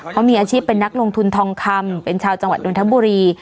เขามีอาชีพเป็นนักลงทุนทองคำเป็นชาวจังหวัดนทบุรี